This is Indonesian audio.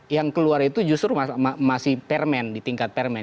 yang keluar itu justru masih permen di tingkat permen